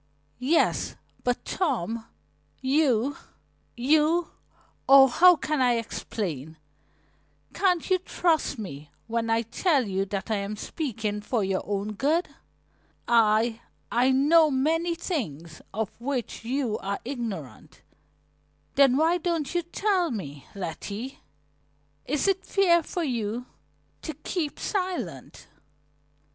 "Yes, but Tom, you you Oh, how can I explain? Can't you trust me when I tell you that I am speaking for your own good? I I know many things of which you are ignorant." "Then why don't you tell me, Letty? Is it fair for you to keep silent?"